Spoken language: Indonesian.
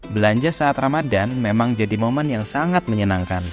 belanja saat ramadan memang jadi momen yang sangat menyenangkan